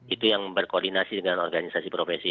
itu yang berkoordinasi dengan organisasi profesi